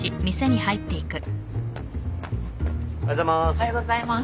・おはようございます。